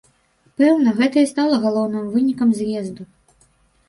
Пэўна, гэта і стала галоўным вынікам з'езду.